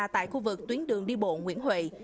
tại khu vực tuyến đường đi bộ nguyễn huệ